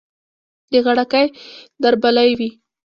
د غړکې دربلۍ وي